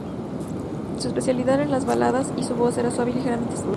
Su especialidad eran las baladas y su voz era suave y ligeramente grave.